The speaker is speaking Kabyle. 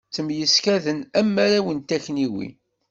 Ttemyeskaden, am arraw n takniwin.